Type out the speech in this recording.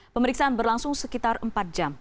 pemeriksaan berlangsung sekitar empat jam